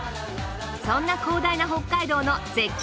そんな広大な北海道の絶景